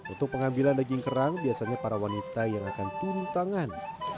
untuk pengambilan daging kerang biasanya para wanita yang akan tuntangan